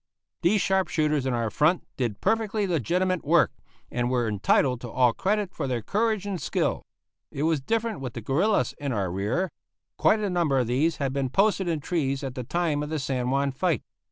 These sharp shooters in our front did perfectly legitimate work, and were entitled to all credit for their courage and skill. It was different with the guerillas in our rear. Quite a number of these had been posted in trees at the time of the San Juan fight.